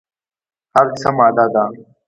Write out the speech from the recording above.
هر څه ماده ده.